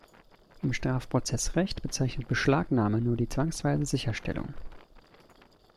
Im Strafprozessrecht bezeichnet "Beschlagnahme" nur die zwangsweise Sicherstellung.